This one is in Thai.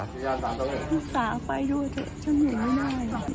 รักษาไปด้วยฉันเห็นไม่น่าได้